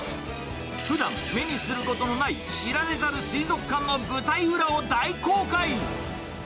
ふだん目にすることのない、知られざる水族館の舞台裏を大公開。